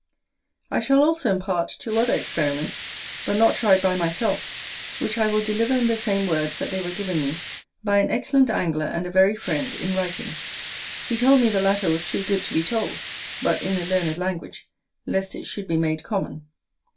I shall also impart two other experiments, but not tried by myself, which I will deliver in the same words that they were given me by an excellent angler and a very friend, in writing: he told me the latter was too good to be told, but in a learned language, lest it should be made common.